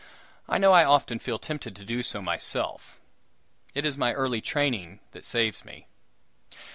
I know I often feel tempted to do so myself it is my early training that saves me.